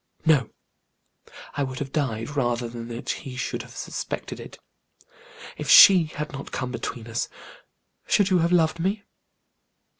No; I would have died, rather than that he should have suspected it. If she had not come between us, should you have loved me?"